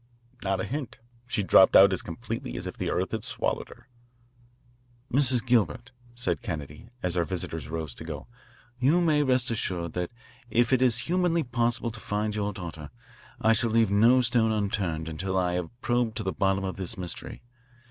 "Not a hint. She dropped out as completely as if the earth had swallowed her." "Mrs. Gilbert," said Kennedy, as our visitors rose to go, "you may rest assured that if it is humanly possible to find your daughter I shall leave no stone unturned until I have probed to the bottom of this mystery.